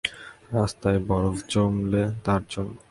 রাস্তায় বরফ জমলে, তার জন্য।